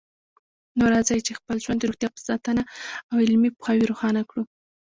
نو راځئ چې خپل ژوند د روغتیا په ساتنه او علمي پوهاوي روښانه کړو